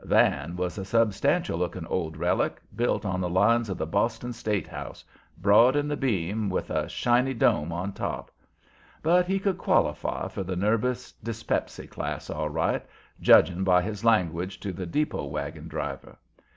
Van was a substantial looking old relic, built on the lines of the Boston State House, broad in the beam and with a shiny dome on top. But he could qualify for the nervous dyspepsy class all right, judging by his language to the depot wagon driver.